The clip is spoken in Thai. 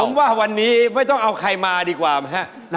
ผมว่าวันนี้ไม่ต้องเอาใครมาดีกว่านะฮะ